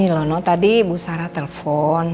ini loh tadi bu sarah telpon